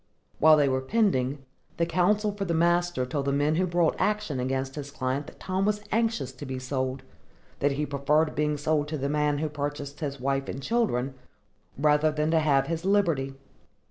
While they were pending, the counsel for the master told the men who brought action against his client that Tom was anxious to be sold; that he preferred being sold to the man who had purchased his wife and children, rather than to have his liberty.